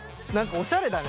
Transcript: おしゃれだね。